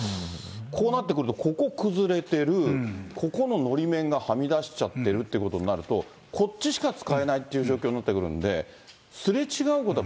こうなってくるとここ崩れてる、ここののり面がはみ出しちゃってるっていうことになると、こっちしか使えないっていう状況になってくるんで、すれ違うこと